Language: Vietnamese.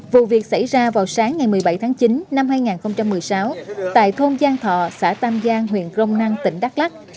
vụ việc xảy ra vào sáng ngày một mươi bảy tháng chín năm hai nghìn một mươi sáu tại thôn giang thọ xã tam giang huyện grong năng tỉnh đắk lắc